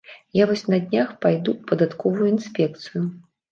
Я вось на днях пайду ў падатковую інспекцыю.